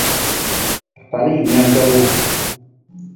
Apalajiimijang ka ru.